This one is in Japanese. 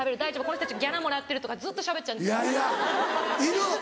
この人たちはギャラもらってる」とかずっとしゃべっちゃうんですよ。